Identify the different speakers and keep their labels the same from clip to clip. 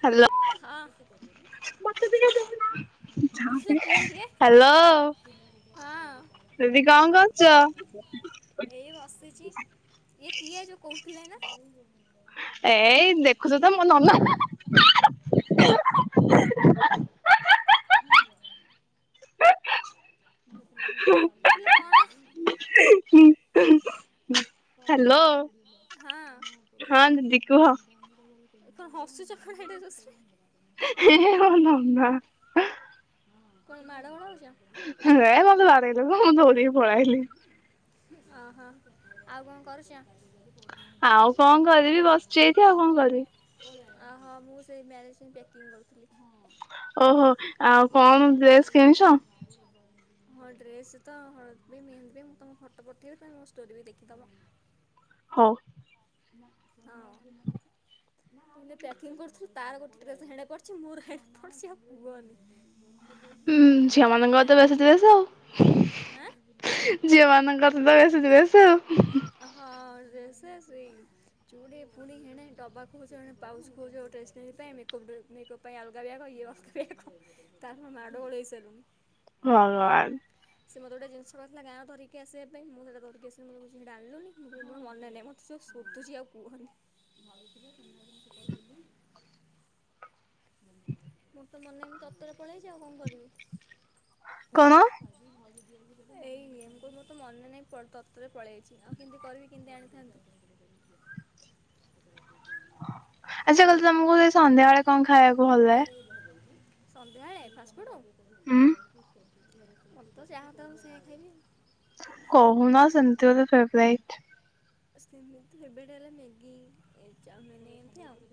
Speaker 1: Hello
Speaker 2: ହଁ ଦେଖିଲ କିଏ ଇଏ
Speaker 1: ହାଲୋ
Speaker 2: ହଁ
Speaker 1: ଦିଦି କଣ କରୁଛ?
Speaker 2: ଏଇ ବସିଛି ଇଏ କିଏ ଯୋଉ କହୁଥିଲେ ନା
Speaker 1: ଏଇ ଦେଖୁଛୁ, ତମ ନନା [unintelligible]
Speaker 2: ନି [unintelligible] କିିଲୋ କଣ?
Speaker 1: ହ [inaudible]
Speaker 2: ହଁ କଣ
Speaker 1: ହଁ ଦିଦି କୁହ
Speaker 2: ହସୁଛ କଣ ଯୋରସରେ
Speaker 1: ମୋ ନନା
Speaker 2: ହ କଣ ମାଡ ଗୋଳ
Speaker 1: ଏ ମତେ ବାଡେଇଲେ ତ, ମୁଁ ଦଉଡ଼ିକି ପଳେଇ ଆଇଲି।
Speaker 2: ଓହୋ, ଆଉ କଣ କରୁଛ?
Speaker 1: ଆଉ କଣ କରିବି, ବସିଛି ଏଠି, ଆଉ କଣ କରିବି?
Speaker 2: ଓହୋ ମୁଁ ସେଇ ମ୍ୟାରେଜିଂ ପ୍ୟାକିଂ କରୁଥିଲି।
Speaker 1: ଓ ହୋ, ହେଁ ଆଉ କଣ ଡ୍ରେସ କିଣିଛ?
Speaker 2: ହଁ ଡ୍ରେସ ତ ହଳଦି, ମେହେନ୍ଦି, ମୁଁ ତମକୁ ଫଟୋ ପଠେଇବି ତମେ ମୋ ଷ୍ଟୋରିରେ ବି ଦେଖିଦବ।
Speaker 1: ହଁ।
Speaker 2: ହଁ। କି କରୁଥିଲୁ ତାର ଗୋଟେ ପଛି ମୋର ପଛି ଆଉ କୁହନି [unintelligible]
Speaker 1: ହୁଁ
Speaker 2: ଏ
Speaker 1: ଝିଅ
Speaker 2: ଯାହା ହେଲା
Speaker 1: ମାନଙ୍କର ତ ବେଶି ଡ୍ରେସ୍ ଝିଅ ମାନଙ୍କର ତ [unintelligible] ସେଇ ଡ୍ରେସ୍ ହୁଁ ହୁଁ।
Speaker 2: ଡ୍ରେସ ସେଇ ଚୁଡି ପୁଣି ହେଣେ ଦବାକୁ ଖୋଜ୍ ହେନେ ପାଉଚ୍ କୋଉ ଜ ଗୋଟେ ଡ୍ରେସ କିଣିବା ପାଇଁ ମେକ୍ଅପ୍ ଡ୍ରେ ମେକ୍ଅପ୍ ପାଇ ଅଲଗା ବ୍ୟାଗ। ଇଏ ଅଖା ବାଗ ତାର ମୋର ମାଡ ଗୋଡ ହେଇ ସାରିଲୁଣି।
Speaker 1: ଭଗଵାନ।
Speaker 2: ସେ ମୋତେ ଗୋଟେ ଜିନିଷ କହିଥିଲା ଗାଁକୁ ଧିରିକି ଆସିବା ପାଇଁଁ ମୁଁ ସେଇଟା ଧରିକି ଆସିଲିନି ମୋତେ କହୁଛି ସେଇଟା ଆଣିଲୁନିକି ମୁଁ କହିଲି ସେଇଟା ମୋର ମନେ ନାହିଁ। ଯୋ ଶୁଧୁଛି ଆଉ କୁହନି। ତୋର ମନେ ନାହିଁ ମୁଁ ତରତରରେ ପଳେଇ ଆସିଛି ଆଉ କଣ କରିବି?
Speaker 1: କଣ?
Speaker 2: ଏଇ ମୁଁ କହିଲି ମୋର ମନେ ନାହିଁ ମୁଁ ତରତରରେ ପଳେଇ ଆଇଛି। ଆଉ କେମିତି କରିବି କେମିତି ଆଣିବି? [unintelligible]
Speaker 1: ଆଚ୍ଛା କହିଲ ତମକୁ ସେ ସନ୍ଧ୍ୟା ବେଳେ କଣ ଖାଇବାକୁ ଭଲ ଲାଗେ?
Speaker 2: ସନ୍ଧ୍ୟାବେଳେ ଫାଷ୍ଟଫୁଡ଼।
Speaker 1: ହୁଁ
Speaker 2: ମତେ ତ ଯାହା ଦେବ। ମୁଁ ସେଇଆ ଖାଇବି ଆଉ।
Speaker 1: କହୁନ ସେମିତି ଗୋଟେ ଫେବରାଇଟ।
Speaker 2: ସେମିତି ଫେବରାଇଟ ହେଲେ ମ୍ୟାଗି, ଇ ଚାଉମିନ ଏମତି ଆଉ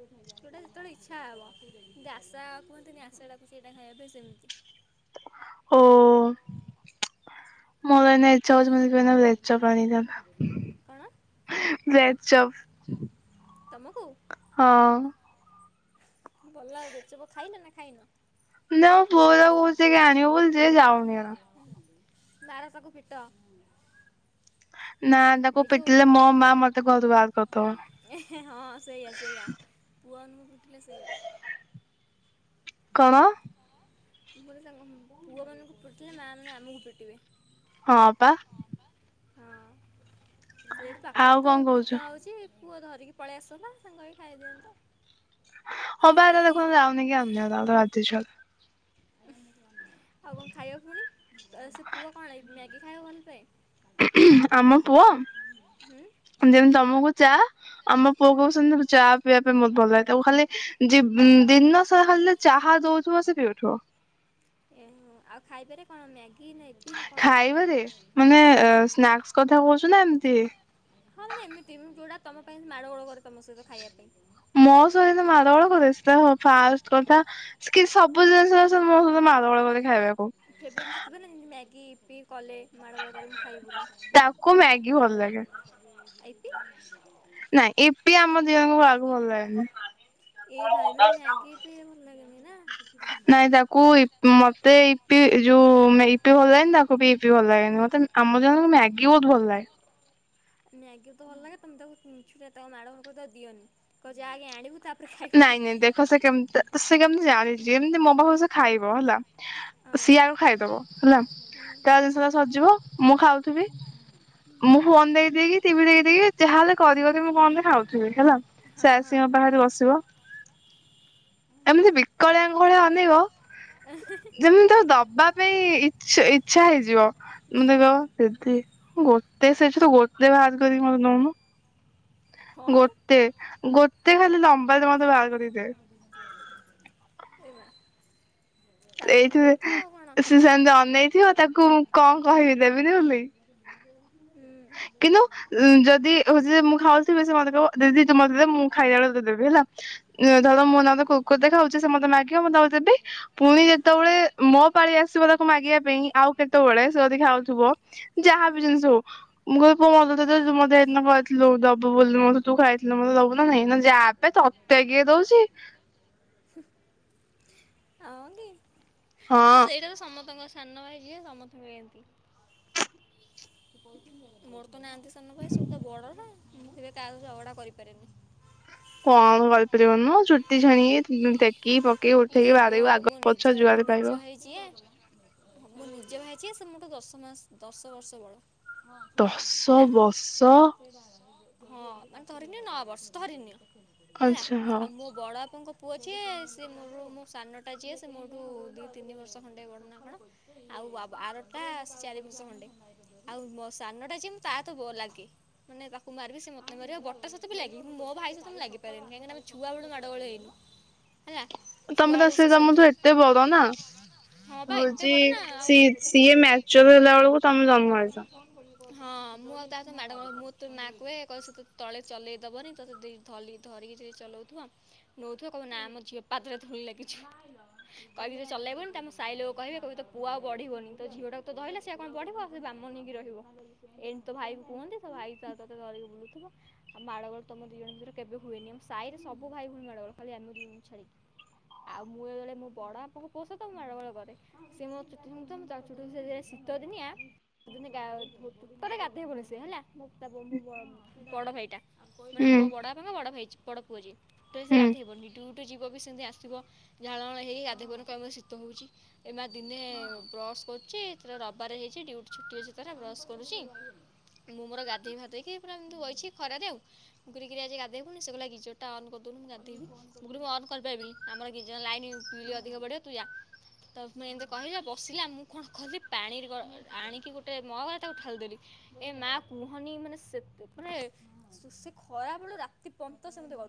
Speaker 2: ଯୋଉଟା ଯେତେବେଳେ ଇଚ୍ଛା ହବ ଯେ ଆଶା କୁହନ୍ତିନି ଆଶା ଟାକୁ ସେଇଟା ଖାଇବା ପାଇଁ ସେମିତି।
Speaker 1: ଓ। ମୋର ଏଇନା ଇଚ୍ଛା
Speaker 2: ହୁଁ,
Speaker 1: ହଉଚି ମୋତେ [unintelligible] ଏଗ୍ ଚପ୍ ଆଣିକି
Speaker 2: କଣ
Speaker 1: [unintelligible] ଭେଜ ଚପ୍
Speaker 2: ତମକୁ
Speaker 1: ହଁ।
Speaker 2: ଭଲ ଆଉ ବ୍ରେଡ ଚପ୍ ଖାଇନ ନା ଖାଇନ?
Speaker 1: ନା ମୁଁ ତାକୁ କହୁଚି ଯାଇକି ଆଣିବ ବୋଲି ଯେ ଯାଉନି ଏକା।
Speaker 2: ମାର ତାକୁ ପିଟ।
Speaker 1: ନା ଟାକୁ
Speaker 2: ଏଇ ଯେଉଁ
Speaker 1: ପିଟିଲେ ମୋ ମା ମତେ ଘରୁ ବାହାର
Speaker 2: ହଁ ସେଇଆ ସେଇଆ
Speaker 1: କରିଦବ।
Speaker 2: ପୁଅ ମାନଙ୍କୁ ପିଟିଲେ ସେଇଆ।
Speaker 1: କଣ?
Speaker 2: ମୁଁ କହିଲି ତାଙ୍କ ପୁଅ ମାନଙ୍କୁ ପିଟିଲେ ମା ମାନେ ଆମକୁ ପିଟିବେ।
Speaker 1: ହଁ ପା।
Speaker 2: ହଁ ସେଇଠି
Speaker 1: ଆଉ
Speaker 2: ପାଖରେ ତ
Speaker 1: କଣ କହୁଛୁ
Speaker 2: ବିକା ହଉଛି। ପୁଅ ଧରିକି ପଳେଇ ଆସନ୍ତା ସାଙ୍ଗ ହେଇକି ଖାଇଦିଅନ୍ତ।
Speaker 1: ହ ବା ଦେଖୁନ ଯାଉନି କିଆ! ! ! ! ! ! ! ! ! !
Speaker 2: ଆଉ କଣ ଖାଇବା ପୁଣି ତ ସେ ପୁଅ କଣ ମ୍ୟାଗି ଖାଇବା ଭଲ ପାଏ?
Speaker 1: ଆମ ପୁଅ
Speaker 2: ହୁଁ
Speaker 1: ଯେମିତି ତମକୁ ଚା ଆମ ପୁଅ
Speaker 2: ହୁଁ
Speaker 1: କୁ ବି ସେମିତି ଚା ପିଇବା ପାଇଁ ବହୁତ ଭଲ ଲାଗେ। ତୁ ଖାଲି ଯିବ ମ୍ ଦିନ ସାରା ଖାଲି ଚାହା ଦେଉଥିବ ସେ ପିଉଥିବ।
Speaker 2: ଏ ମୋ ଆଉ ଖାଇପାରେ କଣ ମ୍ୟାଗି? ନା ଇପି ନା କ'ଣ ହୁଁ
Speaker 1: ଖାଇବାରେ ମାନେ ଅ ସ୍ନାକ୍ସ କଥା କହୁଛୁ ନା ଏମତି
Speaker 2: ହଁ ମାନେ ଏମିତି ମୁଁ ଯୋଉଟା ତମ ପାଇଁ ମାଡ ଗୋଳ କରେ ତମ ସହିତ ଖାଇବା ପାଇଁ।
Speaker 1: ମୋ ସହିତ ମାଡଗୋଳ କଲେକି ଚେଷ୍ଟା ମୋ ଫାଷ୍ଟ କଥା କି ସବୁ ଜିନିଷରେ ସେ ମୋ ପାଗଳ ଭଳି ଖାଇବାକୁ।
Speaker 2: ଫେଫରାଇଟ ଜିନିଷ ଥବ ନା ମ୍ୟାଗି ପି କଲେ ମାଡ଼ଗୋଳ କଲେ ମୁଁ ଖାଇବିନି।
Speaker 1: ତାକୁ ମ୍ୟାଗି ଭଲ ଲାଗେ। ନାଇଁ ଇପି ଆମ ଦିଜଣ କା ବି ଭଲ ଲାଗେନି।
Speaker 2: ଏ ଭାଇ ମାନେ ମ୍ୟାଗି ଇପି ଭଲ ଲାଗେ ନି ନା?
Speaker 1: ନାଇଁ ତାକୁ ଇ ମତେ ଇପି ଯୋଉ ଇପି ଭଲ ଲାଗେନି ତାକୁ ବି ଇପି ଭଲ ଲାଗେନି ମତେ ଆମର ମ୍ୟାଗି ବହୁତ ଭଲ ଲାଗେ।
Speaker 2: ମ୍ୟାଗି ତ ଭଲ ଲାଗେ ତୁମେ ତାକୁ ମିଛ ଟାରେ ମାଡ ହେବ ତୁମେ ତାକୁ ଦିଅନି କହ ଯା ଆଗ ଆଣିବୁ। ତାପରେ ଖାଇବୁ
Speaker 1: ନାଇଁ ନାଇଁ
Speaker 2: ଯାଇକି।
Speaker 1: ଦେଖ ସେ କେମିତି ସେ କେମିତି ଜାଣିଛି ଏମିତି ମୋ ପାଖ ସେ ଖାଇବ। ହେଲା
Speaker 2: ହଁ
Speaker 1: ସିଆ ଆଉ ଖାଇଦବ ହେଲା। ତା ଜିନିଷ ଟା
Speaker 2: ହୁଁ
Speaker 1: ସଜିବ ମୁଁ ଖାଉଥିବି। ମୁଁ ଫୋନ ଦେଇିଦେଇକି ଟିଭି ଦେଇଖିଦକି ଯାହାହେଲେ କରିିବ। ମୁଁ କଣ ଗୋଟେ ଖାଉଥିବି ହେଲା
Speaker 2: ହଁ
Speaker 1: ସେ
Speaker 2: ହଁ।
Speaker 1: ଆସି ମୋ ପାଖରେ ବସିବ। ଏମିତି ବିକଳିଆଙ୍ଗଭଲି ଅନେଵ ଯେମିତି ମୁଁ ତାକୁ ଦ ଯବା ପାଇଁ ଇ ଇଚ୍ଛା ହେଇଯିବ ମୋତେ କହିବ ଦିଦି ଗୋଟେ ସେଥିରୁ ଗ ଗୋଟେ ବାହାର କରିକି ମୋତେ ଦେଉନୁ।
Speaker 2: ହଁ
Speaker 1: ଗୋଟେ ଗୋଟେ ଖାଲି ଲମ୍ବା ଟେ ମୋତେ ବାହାର କରିକି ଦେ।
Speaker 2: ଏ ମା ତାପରେ ତମେ ଦଉଥିବ
Speaker 1: ସେଇଥିରେ
Speaker 2: ଆଉ କଣ
Speaker 1: ସେ ସେମିତି ଅନେଇଥିବ ତାକୁ ମୁଁ କଣ କହିବି ଦେବିିନି ବୋଲି।
Speaker 2: [unintelligible]
Speaker 1: କିନ୍ତୁ ଯଦି ହଉଛି ମୁଁ ଖାଉଥିବି ସେ ମତେ କହିବ ଦିଦି ତୁ ମତେ ଦେ ମୁଁ ଖାଇଲା ବେଳେ ଦେବି ହେଲା।
Speaker 2: ହୁଁ
Speaker 1: ଧର ମୋ ନାଁରେ କୁକୁରି ଟେ ଖାଉଛି ସେ ମତେ ମାଗିବ ମୁଁ ତାକୁ ଦେବି ପୁଣି ଯେତେବେଳେ ମୋ ପାଳି ଆସିବ ତାକୁ ମାଗିବା ପାଇଁ ଆଉ କେତେବେଳେ ସେ ଯଦି ଖାଉଥିବ ଯା ଯାହାବି ଜିନିଷ ହୋଉ ମୁଁ କହିଲି ପୁଅ ମତେଇଦିିନ କରିଥିଲୁ ଦବ ବୋଲି ମୋତେ ତୁ ଖାଇଥିଲୁ ମତେ ଦବୁ ନା ନାଇଁ ଯାହା ବେ ତ ତତେ କିଏ ଦଉଛି।
Speaker 2: ଆଉ କି ଆଉ
Speaker 1: ହଁ
Speaker 2: ସେଇଟା ତ ସମସ୍ତଙ୍କ ସାନ ଭାଇ ଯିଏ ସମସ୍ତଙ୍କୁ ଏନ୍ତି। ନାହାନ୍ତି ସାନ ଭାଇ ସବୁ ତ ବଡ ନା ମୁଁ କେବେ କାହା ଝଗଡା କରିପାରେନି।
Speaker 1: କଣ କରିପାରିବନୁ ଚୁଟି ଛାଣିକି ପକେଇ ଉଠେଇକି
Speaker 2: ନାଇଁ ମୋ
Speaker 1: ବାଡେଇବୁ ଆଗ ପଛ
Speaker 2: ମୋ
Speaker 1: ଯୁଆଡେ
Speaker 2: ନିଜ
Speaker 1: ପାଇବ
Speaker 2: ଭାଇ ଯିଏ ମୋ ନିଜ ଭାଇ ଜେ ସେ ମୋଠୁ ଦଶ ମାସ ଦଶ ବର୍ଷ ବଡ଼। ହଁ
Speaker 1: ଦଶ
Speaker 2: ହେଲା
Speaker 1: ବର୍ଷ
Speaker 2: ହଁ ମାନେ ଧରିନିଅ ନଅ ବର୍ଷ ଧରିନିଅ ହେଲା
Speaker 1: ଆଚ୍ଛା ହଉ।
Speaker 2: ଆଉ ମୋ ବଡ ବାପାଙ୍କ ପୁଅ ଯିଏ ସେ ମୋର ମୋର ସାନଟା ଯିଏ ସେ ମୋଠୁ ଦିଇ ତିନି ବର୍ଷ ଖଣ୍ଡେ ବଡ଼ନା କଣ ଆଉ ଆରଟା ଚାରି ବର୍ଷ ଖଣ୍ଡେ ଆଉ ମୋ ସାନ ଟା ଜେ ମୁଁ ତା ସହ ଲାଗେ ମାନେ ତାକୁ ମାରିବି ସେ ମତେ ବଟା ସହିତ ବି ଲାଗି ମୋ ଭାଇ ସହିତ ବି ଲାଗିପାରିବନ କହିଁକିନା ଆମ ଛୁଆ ବେଳୁ ମାଡଗୋଲ ହେଇନୁ। ହେଲା
Speaker 1: ତମେ ତ
Speaker 2: ଛୁଆବେଳୁ
Speaker 1: ସେ ତମ ତୁ
Speaker 2: ସେମିତି
Speaker 1: ଏତେ ବଡ଼ ନାଁ?
Speaker 2: ହଁ ବା ଏତେ
Speaker 1: ହଉଛି
Speaker 2: ବଡ଼ ନା ଆଉ
Speaker 1: ସି
Speaker 2: ଏତେ
Speaker 1: ସିଏ ମ୍ୟାଚୁର ହେଲା ବେଳକୁ ତମେ ଜନ୍ମ ହେଇଛ।
Speaker 2: ହଁ ମୁଁ ଆଉ ତା ମାଡ ମୁଁ ତୁ ମାଆ କୁହେ କହିଲ ତ ତଳେ ଚଲେଇଦବନି ତତେ ଧଲି ଧ ମୁଁ ଚଲଉଥିବା ନଉଥିବ ନାଁ ମୋ ପାଦରେ ଧୂଳି ଲାଗିଯିବ କହିବେ ଚଲେଇବନି ତମ ସାଇ ଲୋକ କହିବେ କହିବି ତ ପୁଅ ଆଉ ବଢିବନି ତ ଝିଅଟାକୁ ତ ଧହିଲେ ସେ କଣ ବଢିବ ଆଉ ସେ ବାମଣ ନେଇକି ରହିବ ଏମିତି ତ ଭାଇ କୁହନ୍ତି ତ ଭାଇ ତ ତୋତେ ଧରିବ [inaudible] ଆଉ ମାଡ଼ ଗଲ ତମ ଦି ଜଣ ଭିତରେ କେବେ ହୁଏନି ଆମ ସାହିରେ ସବୁ ଭଉଣୀ ମାଡ଼ ଗୋଲ ଖାଲି ଆମେ ଛାଡ଼ିକି। ଆଉ ମୁଁ ବେଳେ ମୋ ବଡ ବାପାକୁ ପୁଅ ସହିତ ମୁଁ ମାଡଗୋଳ କରେ ସେ ମୋ ଚୁଟି ଝୁଣୁଥିବ ମୁଁ ତା ଚୁଟି ଝୁଣୁଥିବି ସେ ଶୀତ ଦିନିଆଁ ଦିନେ ଗାଧେଇବନି ସେ ହେଲା ମ ତା ବଡ ଭାଇଟା। ମାନେ
Speaker 1: ହୁଁ
Speaker 2: ବଡ ବାପାଙ୍କ ବଡ ଭା ବଡ଼ ପୁଅ ଯେ ତୋଟାଳି ସେ
Speaker 1: ହୁଁ।
Speaker 2: ଗାଧେଇବନି। ଯିବ ବି ସେମିତି ଆସିବ ଝାଳ ହେଇ ଗାଧେଇବନି କହିବ ଶୀତ ହଉଛି ଏ ଦିନେ ବ କରୁ ରବିବାର ହେଇଛି ଡିଉଟି ଛୁଟି ଅଛି ତାର ବ୍ରସ କରୁଛି। ମୁଁ ମୋର ଗାଧୋଇଫାଧୋଇକି ପୁରା ଏମତି ବଇଛି ଖରା ରେ ମୁଁ କହିଲି କିରେ ଗାଧେଇବୁନି ସେ କହିଲା ଗିଜର ଟା ବନ୍ତ କରୁନୁ [inaudible] ଗାଧେଇବୁ ମୁଁ କହିଲି ବନ୍ତକରିପାରିବିନି ଆମର ଗି ଲାଇନି ବିଲ ଅଧିକା ବଢିବ ତୁ ଯା। ତ ମୁଁ ଏମିତି କହିଲି ବସିଲା ମୁଁ କଣ କଲି ପାଣି ଗ ଆଣିକି ଗୋଟେ ମଗରେ ତାକୁ ଠାଳି ଦେଲି। ଏ ମା କୁହନି ମାନେ ସେତେ ପ ସେ ଖରା ବେଳୁ ରାତି ପର୍ଯ୍ୟନ୍ତ ସେମତି ଗ ଓ ବୋ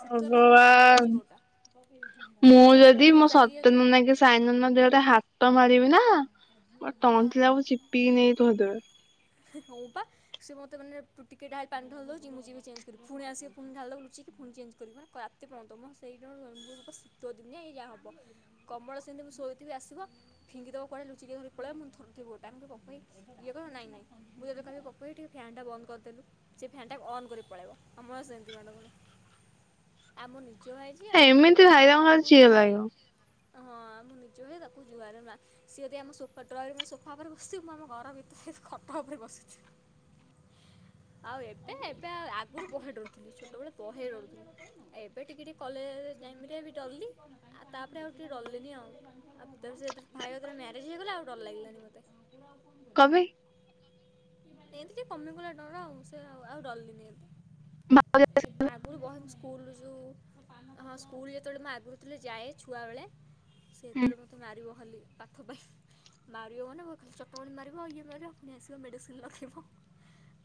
Speaker 2: ଶୀତରେ ମୁଁ ଖାଲି
Speaker 1: ଭଗବାନ
Speaker 2: ଥରୁଛି ଗୋଟା ସେ
Speaker 1: ମୁଁ
Speaker 2: ମତେ
Speaker 1: ଯଦି
Speaker 2: ମୁଁ
Speaker 1: ମୋ
Speaker 2: ଚାଲିକି
Speaker 1: ସତ୍ୟନନା କି ସାଇନନା ଦେହରେ ହାତ ମାରିବି ନା ମୋ
Speaker 2: ହଁ
Speaker 1: ତଣ୍ଟିଟାକୁ ଚିପିକି ନେଇ ଥୋଇଦେବେ।
Speaker 2: ହଉ ବା ସେ ମତେ ମାନେ ଟିକେ ଡାଳି ପାଣି ଢାଳି ଦଉଚି ମୁଁ ଯିବି ଚେଞ୍ଜ କରିବି ପୁଣି ଆସିବି [unintelligible] ଫୁନ୍ ଢାିଲକୁ ଲୁଚିକି ପୁଣି ଚେଞ୍ଜ କରିବି ମ ରାତି ପହିଦବ ମୋ ସେଇଁ ଶୀତ ଦିନି ଏଇଆ ହବ। କମଳ ସେମିତି ମୁଁ ଶୋଇଥିବି ଆସିବ ଫିଙ୍ଗିିଦବ କୋଆଡ଼େ ଲୁଚିକି ଧରି ପଳେଇବ ମୁ ଥରୁଥିବି ଗୋଟାପୁଣି [unintelligible] ମୁକହିବି ବାପ [unintelligible] ନାଇଁ ନାଇଁ ମୁଁ ଯଦି କହିବି ପପୁ ଭାଇ ଟିକେ ଫ୍ବ୍ୟାନ୍ ଟା ବନ୍ଦ କରିଦେଲୁ ସେ ଫ୍ବ୍ୟାନ୍ ଟା ଅନ୍ କରି ପଳେଇବ କମଳ ସେ ମାଡଗୋଳ ଆମର ଭାଇ ଯେ ଆଉ
Speaker 1: ଏମିତି ଭାଇରାଙ୍କର
Speaker 2: ତାକୁ
Speaker 1: ଝିଢ଼ା
Speaker 2: ଜୁହାରେ
Speaker 1: ଲାଗିବ।
Speaker 2: ହଁ ମୁ ଯେୁହେ ତାକୁ ଯୁଆରେ ନା ସିଏଦି ଆମ ସୋଫା ଡ୍ରରିଂ ମେ ସୋଫା ଉପ ବସିଥିବ ମୁଁ ଆମ ଘର ଭିତରେ ଖଟ ଉପରେ ବସିିବି ଆଉ ଏବେ ଏବେ ଆ ଆଗରୁ ବହେ ଡରୁ ଛୋଟବେଳେ ବହେଡରୁ ଥିଲି ଏବେ ଟିକେ ଟିକେ କଲେଜ୍ ଟାଇମ୍ରରେ ବି ଡରଲି ଆଉ ତାପରେ ଡରିଲିନି ଆଉ ଆଉ ଭ ସେ ଭାଇ ମ୍ୟାରେଜ ହେଇଗଲା ଆଉ ଡର ଲାଗିଲାନି ମତେ
Speaker 1: କଣ ପାଇ
Speaker 2: ଏମତି ଟିକେ କମିଗଲା ଡର ଆଉ ସେ ଆଉ ଡରଲିନି ଏମତି ଆଗରୁ ବହନ୍ତି ସ୍କୁଲରୁ ଯୋଉ ହଁ ସ୍କୁଲ ଯେତେବେଳେ ମୁଁ ଆଗରୁଥିଲି ଯାଏ ଛୁଆ ବେଳେ ସେ
Speaker 1: ହୁଁ।
Speaker 2: ଯେତେବେଳେ ମତେ ମାରିବ ଖାଲି ପାଠ ପାଇଁ। ମାରିବ ମାନେ ଖାଲି ଚଟକଣି ମାରିବ ଇଏ ମାରିଵ ପୁଣି ଆସିବ ମେଡିସିନ ଲଗେଇିବ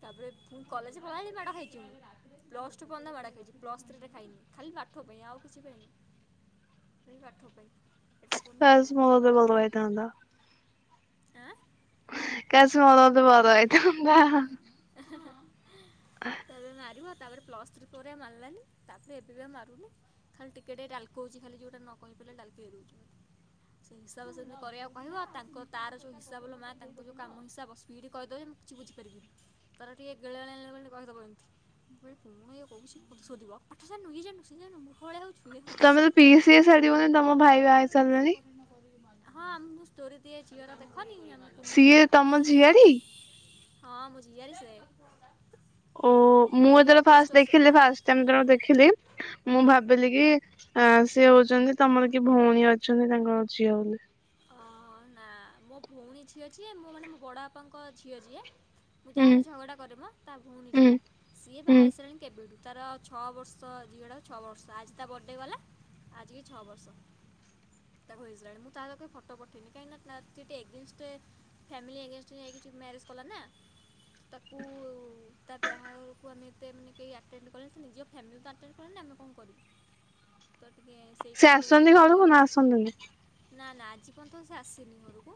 Speaker 2: ତାପରେ ପୁଣି କଲେଜରେ ପଢ଼ିବା ମାଡ଼ ଖାଇଛି ମୁଁ। ପ୍ଲସ ଟୁ ପର୍ଯନ୍ତ ମାଡ଼ ଖାଇଛି ପ୍ଲସ୍ ଥ୍ରୀରେ ଖାଇନି ଖାଲି ପାଠ ପାଇଁ ଆଉ କିଛି ପାଇଁ ନୁହେଁ। ସେଇ ପାଠ ପାଇଁ। ଏଟା ପଢ଼ୁନୁ ସେଟା
Speaker 1: କାସ୍ ମୋର
Speaker 2: ପଢ଼ୁନୁ ମାଡ଼
Speaker 1: ଗୋଟେ ବଡ଼
Speaker 2: ଖାଇବି
Speaker 1: ଭାଇ ଥାଆନ୍ତା। କାସ୍ ମୋର ଗୋଟେ ବଡ଼ ଭାଇ ଥାଆନ୍ତା।
Speaker 2: ଆଁ ତାପରେ
Speaker 1: [inaudible]
Speaker 2: ମାରିବ ତାପରେ ପ୍ଲସ୍ ଥ୍ରୀ ପରେ ମାରିଲାନି ତାପରେ ଏବେ ବି ଆଉ ମାରୁନି ଖାଲି ଟିକେ ଟିକେ ଡାଲକଉଛି ଖାଲି ଯୋଉଟା ନ କହିପାରିଲେ ଡାଲିକେଇ ଦୋଉଚି ମତେ। ସେଇ ହିସାବରେ ସେମିତି କରିବାକୁ କହିବ ଆଉ ତା ତାର ଯୋଉ ହିସାବ ଲ ମା ତାଙ୍କ ଯୋଉ କାମ ହିସାବ ପିଇଠଟି କହିଦେବ ମୁଁ କିଛି ବୁଝିପାରିବିନି ତାର ଟିକେ ଗେବେଳେ କହିଦବ ଏମିତି ମୁ କହିବି କଣ ଇଏ କୋହୁଚି ମତେ ସୋଦିବ ପାଠ ଯାଣିନୁ ଇଏ ଯାଣିନୁ ସିଏ ଯାଣିନୁ ମୂର୍ଖ ଭଳିଆ ହୋଉଚୁ।
Speaker 1: ତମେ ତ ପିସି ସାଡିବନି ତମ ଭାଇ ବାହାହେଇ ସାରିଲେଣି।
Speaker 2: ହଁ ମୁ ଷ୍ଟୋରି ଦିଏ ଝିଅର ଦେ
Speaker 1: ସିଏ ତମ ଝିଅରି।
Speaker 2: ହଁ ମ ଝିୟାରି ସେ।
Speaker 1: ଓ ମୁଁ
Speaker 2: ଏଇ
Speaker 1: ଯେତେବେଳେ
Speaker 2: ଅଗଷ୍ଟ
Speaker 1: ଫାଷ୍ଟ ଦେଖିଲି
Speaker 2: ସ-
Speaker 1: ଫାଷ୍ଟାଇ ଦେଖିଲି ମୁଁ
Speaker 2: ହଁ
Speaker 1: ଭାବିଲି କି ସେଏ ହଉଛନ୍ତି ତମର କି ଭଉଣୀ ଅଛନ୍ତି ତାଙ୍କର ଝିଅ ବୋଲି।
Speaker 2: ଅ, ନା ମୋ ଭଉଣୀ ଝିଅ ଯିଏ ମୁଁ ମାନେ ମୋ ବଡ଼ ବାପାଙ୍କ ଝିଅ ଯେ ମୁଁ
Speaker 1: ହୁଁ
Speaker 2: ଯାହା ଝଗଡା କରେମ ତା ଭଉଣୀ
Speaker 1: ହୁଁ
Speaker 2: ଯିଏ ସିଏ ବାହା
Speaker 1: ହୁଁ
Speaker 2: ହେଇ ସାରିଲାଣି କେବେଠୁ। ତାର ଛଅ ବର୍ଷ ଝିଅଟା ଛଅ ବର୍ଷ ଆଜି ତା ବର୍ଥଡେ ଗଲା ଆଜିିକି ଛଅ ବର୍ଷ ତାକୁ ହେଇସାଲାଣି ମୁଁ ତର କେବେ ଫଟୋ ପଠେଇନି କାହିଁକି ନା ସେ ଟିକେ ଏଗେନ୍ଷ୍ଟ ରେ ଫ୍ୟାମିଲି ଏଗେନ୍ଷ୍ଟ ରେ ହେଇକି ମ୍ୟାରେଜ କଲାନା ତାକୁ ତା ବାହାଘରକୁ ଏତେ ମାନେ ଆଟେଣ୍ଟେ କରିନଥିଲୁ ନିଜ ଫ୍ୟାମିଲି ତ ଆଟେଣ୍ଟେ କରିନାହାନ୍ତି ଆମେ କଣ କରିବି ତ ଟିକେ
Speaker 1: ସେ
Speaker 2: ସେଇପାଇଁ ଟିକେ
Speaker 1: ଆସୁଛନ୍ତି ଘର କୁ ନା
Speaker 2: ରହିଲା
Speaker 1: ଆସନ୍ତନି।
Speaker 2: ନା ନା ଆଜି ପର୍ଯ୍ୟନ୍ତ ସେ ଆସିନି ଘରକୁ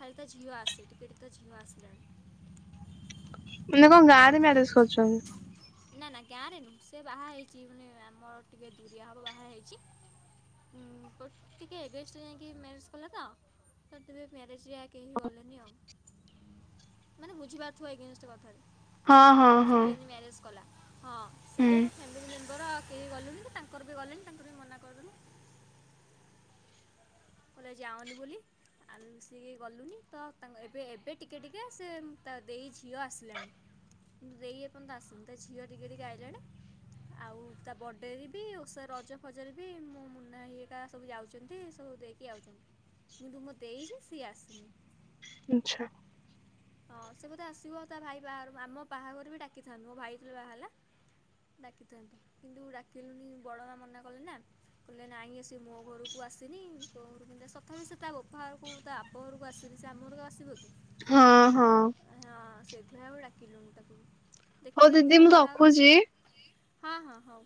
Speaker 2: ଖାଲି ତ ଝିଅ ଆସେ ଟିକେ ଟ ତ ଝିଅ ଆସିଲାଣି।
Speaker 1: ମାନେ କଣ ଗାଁ ରେ
Speaker 2: ତା
Speaker 1: ମେରେଜ୍
Speaker 2: ଝିଅ
Speaker 1: କରିଚନ୍ତି।
Speaker 2: ନା ନା ଗାଁରେ ନୁ ସେ ବାହା ହେଇଛି ମାନେ ଆମର ଟିକେ ଦୁରିଆ ହବ ବାହା ହେଇଛି। ହଁ ଟିକେ ଏଗେନ୍ଷ୍ଟ ଯାଇକି ମ୍ୟାରେଜ କଲେ ତ ତ ତେ ମ୍ୟାରେଜ ରେ କେହି ଗଲେନି ଆଉ ମାନେ ବୁଝିପାରୁଥିବ ଏଇ ଏଗେନ୍ଷ୍ଟ କଥାରେ
Speaker 1: ହଁ ହଁ
Speaker 2: ସେ
Speaker 1: ହଁ।
Speaker 2: କେମିତି ମ୍ୟାରେଜ୍ କଲା ହଁ ସେଥି
Speaker 1: ହୁଁ
Speaker 2: ପାଇଁ ମୋ ଫ୍ୟାମିଲୀ ମେମ୍ ଙ୍କର କେହି ଗଲୁନି କି ତାଙ୍କର ବି ଗଲେନି ତାଙ୍କର ବି ମନା କରିଦେଲେ। କହିଲେ ଯାଅନି ବୋଲି। ଆଲ ରୁଷିକି ଗଲୁନି ତ ତାଙ୍କ ଏବେ ଏବେ ଟିକେ ଟିକେ ସେ ତା ଦେଇ ଝିଅ ଆସିଲାଣି। ଦେଇ ଏପଯ୍ୟନ୍ତ ଆସନ୍ତ ତା ଝିଅ ଟିକେ ଟିକେ ଆଇଲାଣି। ଆଉ ତା ବର୍ଡେରେ ବି ଓସା ରଜ ଫଜରେ ବି ମୁଁ ମୁନା ଭାଇ ହେରିକା ସବୁ ଯାଉଛନ୍ତି ସବୁ ଦେଇ ଇଏ ଆଉଛନ୍ତୀ କିନ୍ତୁ ମୋ ଦେଇ ଯିଏ ସିଏ ଆସିନି।
Speaker 1: ଆଚ୍ଛା।
Speaker 2: ହଁ ସେ ବୋଧେ ଆସିବ ତା ଭାଇ ବାହାଘ କୁ ଆମ ବାହାଘର ବି ଟାକିଥାନ୍ତୁ ମୋ ଭାଇ ଯେତେବେଳେ ବାହା ହେଲା। ଡାକିଥାନ୍ତୁ କିନ୍ତୁ ଡାକିଲୁଣିି ବଡ ମା ମନା କଲେ ନା। କହିଲେ ନାଇଁ ସେ ମୋ ଘରକୁ ଆସିନି। ତମ ଘରକୁ କେତି ଅସି ତଥାପି ସେ ତା ବୋପାଘରକୁ ତା ବାପ ଘରକୁ ଆସିନି ସେ ଆମ ଘର ଆଉ ଆସିବ କି?
Speaker 1: ହଁ ହଁ।
Speaker 2: ସେଥିପାଇଁ ଆଉ ଡାକିଲୁନି ତାକୁ।
Speaker 1: ହଉ
Speaker 2: ଦେଖିବା ମୋ
Speaker 1: ଦିଦି ମୁଁ
Speaker 2: ବାହାଘରରେ
Speaker 1: ରଖୁଛି।
Speaker 2: ହଁ ହଁ ହଉ।